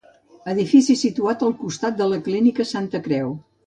Edifici situat al costat de la Clínica Santa Creu.